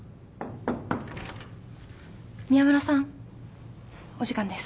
・・宮村さんお時間です。